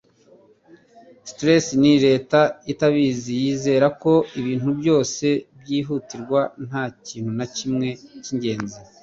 Stress ni leta itabizi. Yizera ko ibintu byose byihutirwa. Nta kintu na kimwe cy'ingenzi. ”